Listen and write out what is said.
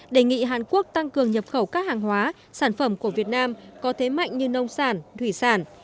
đề nghị hàn quốc tăng cường nhập khẩu các hàng hóa sản phẩm của việt nam có thế mạnh như nông sản thủy sản